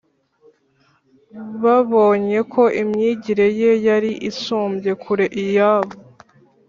. Babonye ko imyigire Ye yari isumbye kure iyabo.